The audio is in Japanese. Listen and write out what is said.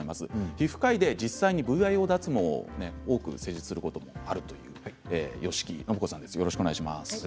皮膚科医でＶＩＯ脱毛を多く施術することもあるという吉木伸子さんです。